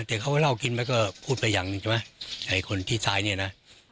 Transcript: แต่เขาเล่ากินแล้วก็พูดไปอย่างหนึ่งใช่ไหมไอ้คนที่ซ้ายเนี่ยนะ